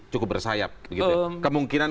cukup bersayap kemungkinan